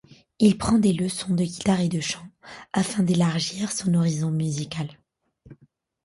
Il prend des leçons de guitare et de chant afin d'élargir son horizon musical.